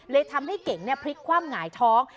ทำให้เก๋งพลิกคว่ำหงายท้อง